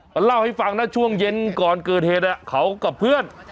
ก็เล่าให้ฟังนะช่วงเย็นก่อนเกิดเหตุเขากับเพื่อน